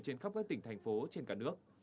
trên khắp các tỉnh thành phố trên cả nước